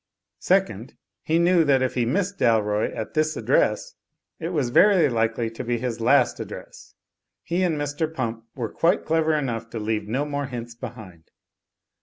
Second, he knew that if he missed Dalroy at this address, it was very likely to be his last address; he and Mr. Pump were quite clever enough to leave no more hints behind.